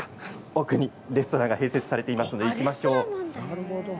奥にレストランが併設されているので行きましょう。